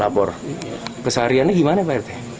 lapor kesehariannya gimana pak rt